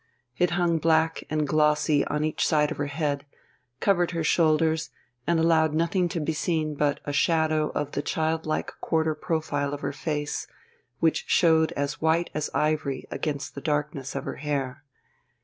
It hung black and glossy on each side of her head, covered her shoulders, and allowed nothing to be seen but a shadow of the childlike quarter profile of her face, which showed white as ivory against the darkness of her hair.